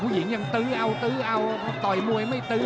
ผู้หญิงยังถือเอาถือเอาไหนไปต่อย